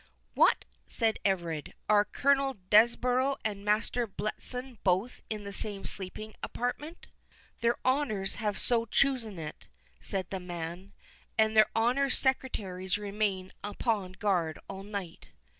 "What!" said Everard, "are Colonel Desborough and Master Bletson both in the same sleeping apartment?" "Their honours have so chosen it," said the man; "and their honours' secretaries remain upon guard all night."